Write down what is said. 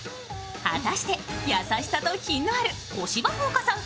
果たして優しさと品のある小芝風花さん風